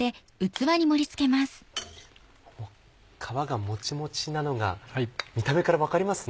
皮がもちもちなのが見た目から分かりますね。